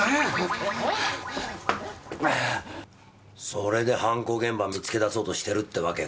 それで犯行現場見つけ出そうとしてるってわけか。